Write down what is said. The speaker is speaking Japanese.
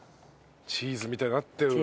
チーズみたいになってるかな？